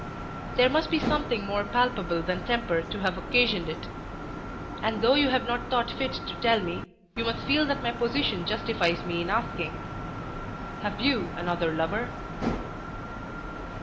There must be something more palpable than temper to have occasioned it. And though you have not thought fit to tell me, you must feel that my position justifies me in asking. Have you another lover?"